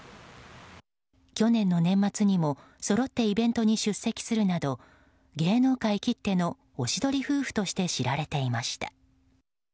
去年の年末にもそろってイベントに出席するなど芸能界きってのおしどり夫婦として知られていました。